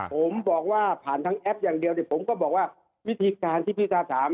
ผมบอกว่าผ่านทั้งแอปอย่างเดียวผมก็บอกว่าวิธีการที่พี่สาธารณ์